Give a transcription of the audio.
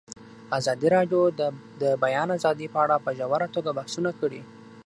ازادي راډیو د د بیان آزادي په اړه په ژوره توګه بحثونه کړي.